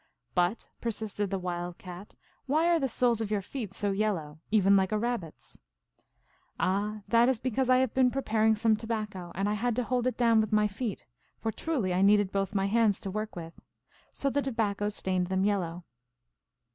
" But," persisted the Wild Cat, "why are the soles of your feet so yellow, even like a Rab bit s?" "Ah, that is because I have been preparing some tobacco, and I had to hold it down with my feet, for, truly, I nedeed both my hands to work with. So the tobacco stained them yellow."